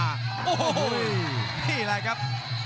นี่แหละครับ